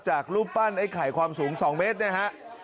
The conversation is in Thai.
รูปปั้นไอ้ไข่ความสูง๒เมตรนะฮะ